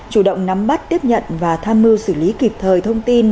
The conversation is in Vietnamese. chủ động nắm bắt tiếp nhận và tham mưu xử lý kịp thời thông tin